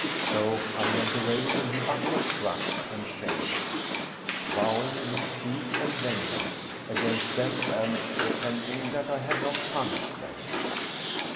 So I went away, in the utmost wrath and shame, vowing mischief and vengeance against them and repenting that I had not punished them.